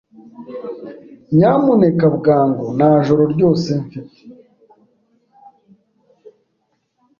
Nyamuneka bwangu. Nta joro ryose mfite.